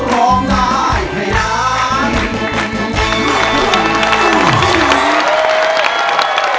ร้องได้ให้ดาย